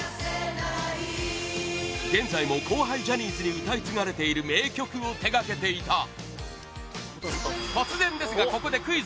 現在も後輩ジャニーズに歌い継がれている名曲を手掛けていた突然ですが、ここでクイズ！